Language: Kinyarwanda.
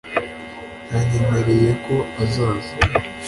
Yanyemereye ko azaza